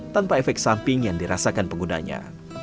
tanpa efek samping yang dirasakan penggunanya